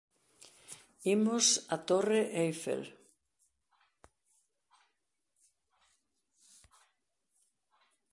Imos á Torre Eiffel.